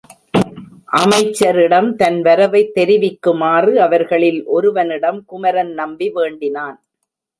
அமைச்சரிடம் தன் வரவைத் தெரிவிக்குமாறு அவர்களில் ஒருவனிடம் குமரன் நம்பி வேண்டினான்.